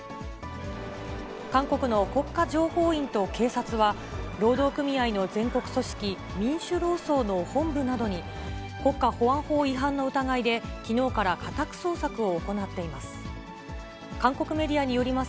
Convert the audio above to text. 韓国の国家情報院と警察は、労働組合の全国組織、民主労総の本部などに、国家保安法違反の疑いで、きのうから家宅捜索を行っています。